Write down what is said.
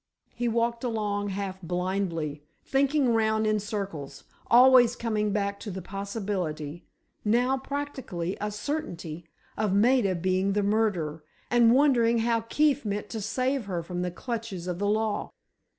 He walked along half blindly, thinking round in circles, always coming back to the possibility—now practically a certainty—of Maida being the murderer, and wondering how Keefe meant to save her from the clutches of the law.